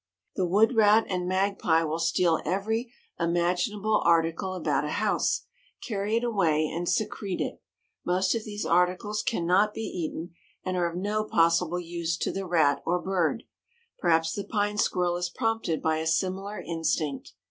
The wood rat and magpie will steal every imaginable article about a house, carry it away and secrete it. Most of these articles can not be eaten and are of no possible use to the rat or bird. Perhaps the Pine Squirrel is prompted by a similar instinct.